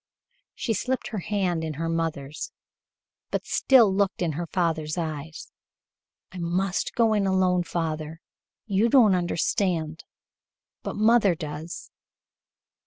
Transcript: She slipped her hand in her mother's, but still looked in her father's eyes. "I must go in alone, father. You don't understand but mother does."